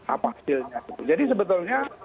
apa hasilnya jadi sebetulnya